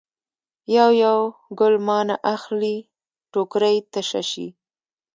یو یو ګل مانه اخلي ټوکرۍ تشه شي.